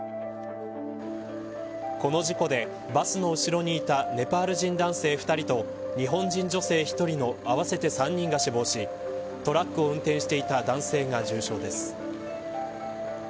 この事故で、バスの後ろにいたネパール人男性２人と日本人女性１人の合わせて３人が死亡しトラックを運転していた男性が重傷です。